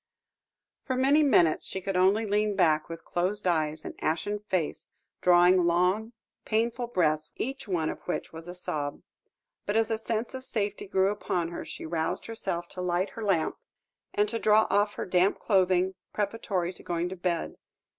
For many minutes she could only lean back, with closed eyes and ashen face, drawing long painful breaths, each one of which was a sob; but as a sense of safety grew upon her, she roused herself to light her lamp, and to draw off her damp clothing, preparatory to going to bed.